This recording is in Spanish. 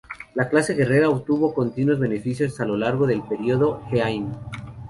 La clase guerrera obtuvo continuos beneficios a lo largo del periodo Heian.